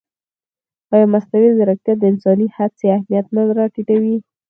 ایا مصنوعي ځیرکتیا د انساني هڅې اهمیت نه راټیټوي؟